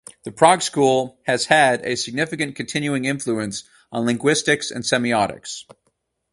The Prague School has had a significant continuing influence on linguistics and semiotics.